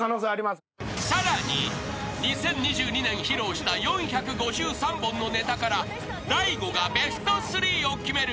［さらに２０２２年披露した４５３本のネタから大悟がベスト３を決める